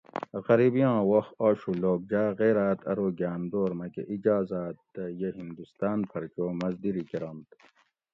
غریبی آں وخت آشو لوک جاۤ غیراۤت ارو گاۤن دور مکۂ اجا زات دہ یہ ہندوستان پھر چو مزدیری کرنت